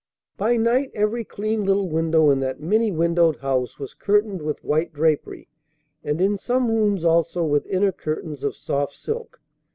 By night every clean little window in that many windowed house was curtained with white drapery, and in some rooms also with inner curtains of soft silk.